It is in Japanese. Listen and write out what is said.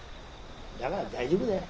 だから大丈夫だよ。